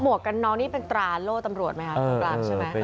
หมวกกันน้องนี่เป็นตราโล่ตำรวจไหมครับตราโล่ใช่ไหมเออเป็น